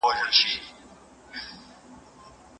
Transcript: په سلو کي سل توافق موجود وي